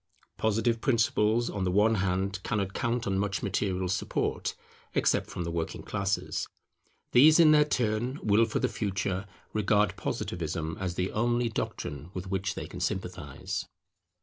Positive principles, on the one hand, cannot count on much material support, except from the working classes; these in their turn will for the future regard Positivism as the only doctrine with which they can sympathize.